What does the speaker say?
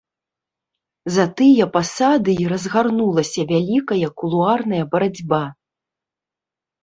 За тыя пасады і разгарнулася вялікая кулуарная барацьба.